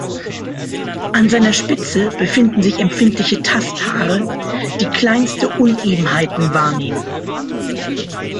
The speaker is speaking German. An seiner Spitze befinden sich empfindliche Tasthaare, die kleinste Unebenheiten wahrnehmen.